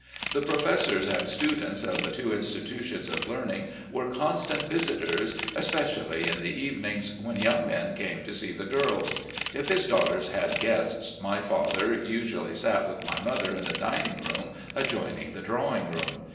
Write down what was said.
The professors and students of the two institutions of learning were constant visitors, especially in the evenings, when young men came to see the girls. If his daughters had guests, my father usually sat with my mother in the dining room adjoining the drawing room.